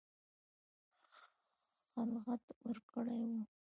خلعت ورکړی وو.